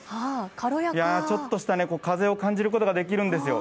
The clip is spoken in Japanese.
いやぁ、ちょっとした風を感じることができるんですよ。